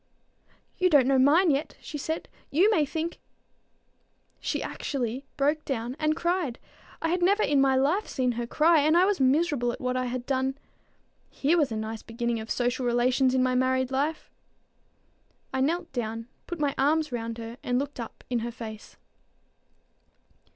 "You don't know mine yet," she said. "You may think" She actually broke down and cried. I had never in my life seen her cry, and I was miserable at what I had done. Here was a nice beginning of social relations in my married life! I knelt down, put my arms round her, and looked up in her face.